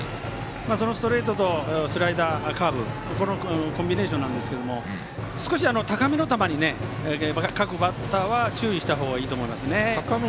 そのストレートとスライダーカーブ、コンビネーションですが少し高めの球に各バッターは注意した方がいいと思いますね。